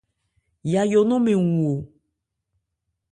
Yajó nɔ̂n mɛn wu o.